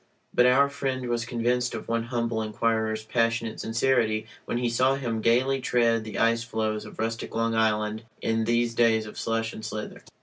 But our friend was convinced of one humble inquirer's passionate sincerity when he saw him gayly tread the ice floes of rustic Long Island in these days of slush and slither.